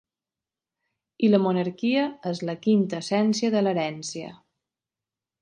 I la monarquia és la quinta essència de l’herència.